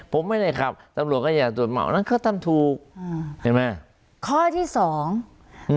ผมไม่ได้ขับตำรวจก็อยากตรวจมาอันนั้นเขาทำถูกเห็นไหม